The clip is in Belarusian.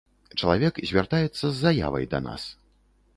Чалавек звяртаецца з заявай да нас.